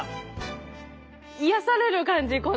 癒やされる感じこの。